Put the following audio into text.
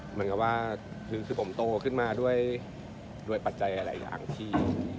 เหมือนกับว่าคือผมโตขึ้นมาด้วยปัจจัยหลายอย่างที่